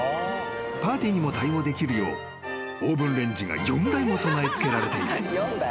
［パーティーにも対応できるようオーブンレンジが４台も備え付けられている］